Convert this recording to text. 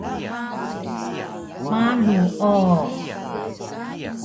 Malu o